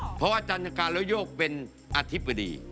เพราะว่าอาจารย์การแล้วโยกเป็นอธิบดี